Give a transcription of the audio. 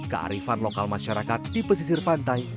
kearifan lokal masyarakat di pesisir pantai